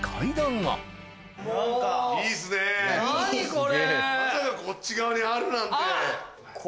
まさかこっち側にあるなんて。